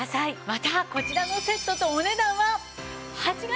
またこちらのセットとお値段は８月限定です。